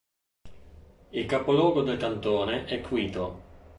Il capoluogo del cantone è Quito.